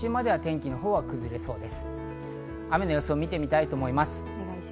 雨の予想を見てみたいと思います。